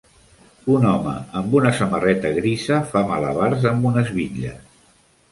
Un home amb una samarreta grisa fa malabars amb unes bitlles.